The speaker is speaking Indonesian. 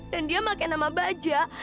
dan dia pake nama bajak